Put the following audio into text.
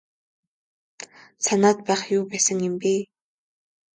Санаад байх юу байсан юм бэ.